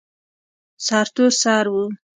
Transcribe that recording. سرتور سر و.